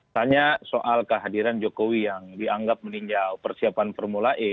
tanya soal kehadiran jokowi yang dianggap meninjau persiapan formula e